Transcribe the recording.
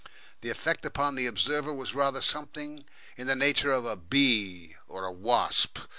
The effect upon the observer was rather something in the nature of a bee or wasp.